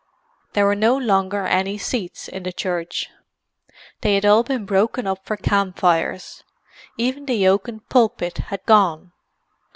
There were no longer any seats in the church. They had all been broken up for camp fires—even the oaken pulpit had gone.